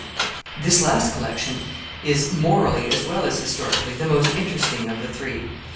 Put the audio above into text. This last collection is, morally as well as historically, the most interesting of the three.